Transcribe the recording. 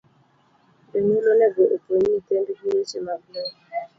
Jonyuol onego opuonj nyithind gi weche mag ler